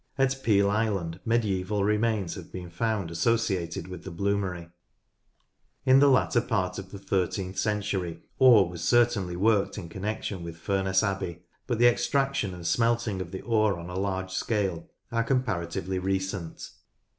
At Peel Island medieval remains have been found associated with the bloomery. In the latter part of the thirteenth century ore was certainly worked in connection with Furness Abbey, but the extraction and smelting of the ore on a large scale are comparatively recent.